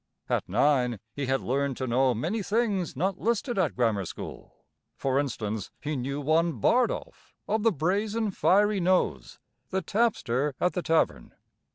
At nine, he had learned to know many things not listed at grammar school. For instance, he knew one Bardolph of the brazen, fiery nose, the tapster at the tavern.